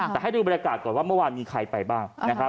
แต่ให้ดูบริการก่อนว่าเมื่อวานมีใครไปบ้าง